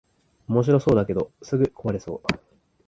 おもしろそうだけどすぐ壊れそう